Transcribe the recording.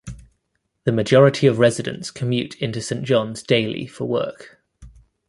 The majority of residents commute into Saint John's daily for work.